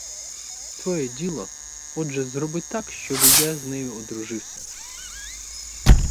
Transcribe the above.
Твоє діло, отже, зробити так, щоби я з нею одружився.